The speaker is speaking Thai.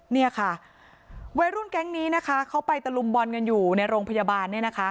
เนี่ยค่ะวัยรุ่นแก๊งนี้นะคะเขาไปตะลุมบอลกันอยู่ในโรงพยาบาล